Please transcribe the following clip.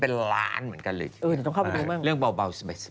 ตุลัสสิกปาร์คเลยเนอะไอ้ไดโดเสา